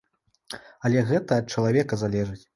Але гэта ад чалавека залежыць.